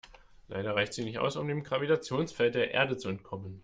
Leider reicht sie nicht aus, um dem Gravitationsfeld der Erde zu entkommen.